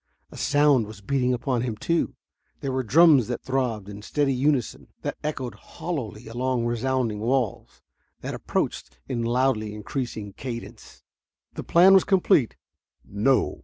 A sound was beating upon him, too. There were drums that throbbed in steady unison, that echoed hollowly along resounding walls, that approached in loudly increasing cadence. The plan was complete. "No!"